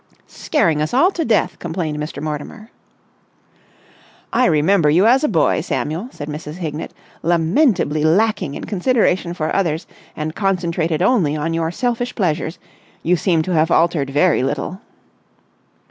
"Scaring us all to death!" complained Mr. Mortimer. "I remember you as a boy, Samuel," said Mrs. Hignett, "lamentably lacking in consideration for others and concentrated only on your selfish pleasures. You seem to have altered very little."